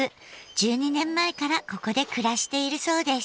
１２年前からここで暮らしているそうです。